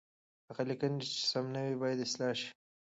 هغه لیکنه چې سم نه وي، باید اصلاح شي.